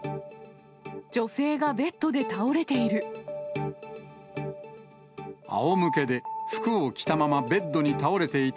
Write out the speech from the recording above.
女性がベッドで倒れている。